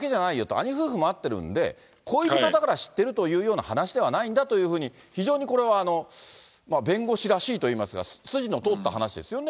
兄夫婦も会ってるんで、恋人だから知っているというような話ではないんだというふうに、非常にこれは弁護士らしいといいますか、筋の通った話ですよね。